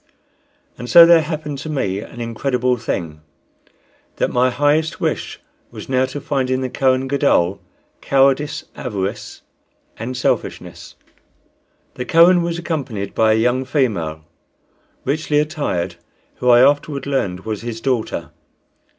And so there happened to me an incredible thing, that my highest wish was now to find in the Kohen Gadol cowardice, avarice, and selfishness. The Kohen was accompanied by a young female, richly attired, who, I afterward learned, was his daughter.